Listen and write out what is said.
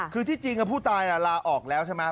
คือที่จริงผู้ตายลาออกแล้วใช่ไหม